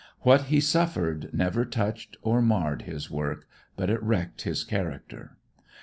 What he suffered never touched or marred his work, but it wrecked his character.